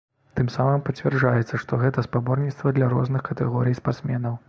Тым самым пацвярджаецца, што гэта спаборніцтва для розных катэгорый спартсменаў.